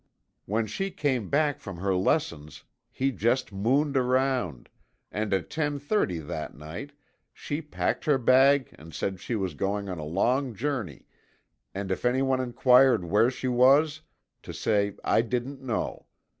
When she came back from her lessons he just mooned around, and at ten thirty that night she packed her bag and said she was going on a long journey, and if anyone inquired where she was, to say I didn't know.